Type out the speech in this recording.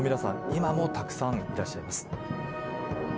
今もたくさんいらっしゃいます。